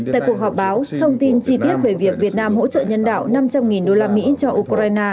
tại cuộc họp báo thông tin chi tiết về việc việt nam hỗ trợ nhân đạo năm trăm linh usd cho ukraine